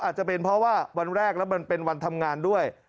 อาจจะเป็นเพราะว่าวันแรกแล้วมันเป็นวันทำงานด้วย